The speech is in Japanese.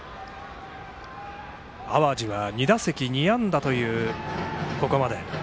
淡路は２打席２安打というここまでです。